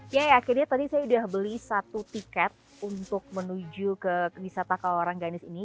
ya akhirnya tadi saya sudah beli satu tiket untuk menuju ke wisata kawarangganis ini